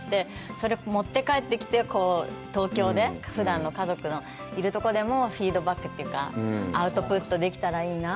それを持って帰ってきて、東京でふだんの家族のいるところでもフィードバックというか、アウトプットできたらいいなって。